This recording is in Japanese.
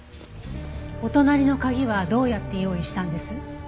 お隣の鍵はどうやって用意したんです？